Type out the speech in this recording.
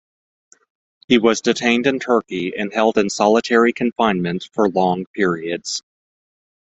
He was detained in Turkey and held in solitary confinement for long periods.